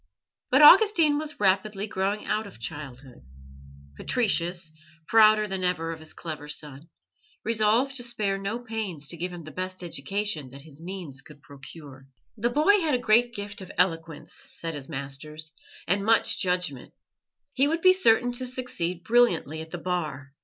But Augustine was rapidly growing out of childhood. Patricius, prouder than ever of his clever son, resolved to spare no pains to give him the best education that his means could procure. The boy had a great gift of eloquence, said his masters, and much judgment; he would be certain to succeed brilliantly at the Bar.